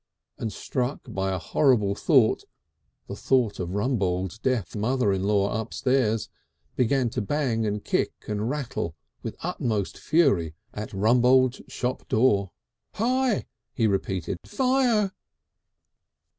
and struck by a horrible thought, the thought of Rumbold's deaf mother in law upstairs, began to bang and kick and rattle with the utmost fury at Rumbold's shop door. "Hi!" he repeated, "_Fire!